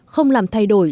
không làm thay đổi